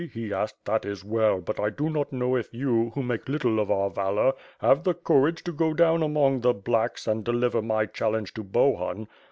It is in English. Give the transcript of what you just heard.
he asked, 'that is well, but I do not know if you, who make little of our valor, have the courage to go down among the 'blacks' and deliver my challenge to Bohun.'